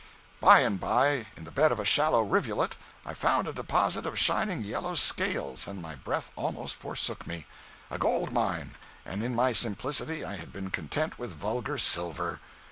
By and by, in the bed of a shallow rivulet, I found a deposit of shining yellow scales, and my breath almost forsook me! A gold mine, and in my simplicity I had been content with vulgar silver!